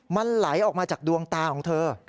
มันไหลออกมาจากดวงตาของเธอ